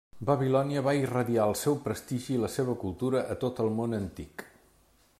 Babilònia va irradiar el seu prestigi i la seva cultura a tot el món antic.